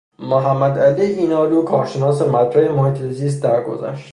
محمدعلی اینانلو کارشناس مطرح محیط زیست درگذشت.